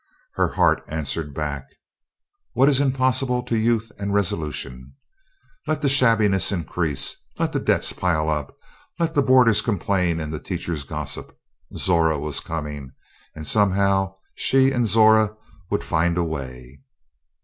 Her heart answered back: "What is impossible to youth and resolution?" Let the shabbiness increase; let the debts pile up; let the boarders complain and the teachers gossip Zora was coming. And somehow she and Zora would find a way.